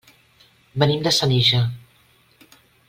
Venim de Senija.